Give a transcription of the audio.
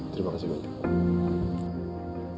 terima kasih banyak